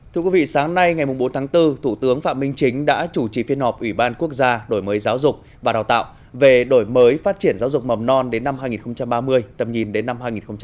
thưa quý vị sáng nay ngày bốn tháng bốn thủ tướng phạm minh chính đã chủ trì phiên họp ủy ban quốc gia đổi mới giáo dục và đào tạo về đổi mới phát triển giáo dục mầm non đến năm hai nghìn ba mươi tầm nhìn đến năm hai nghìn bốn mươi năm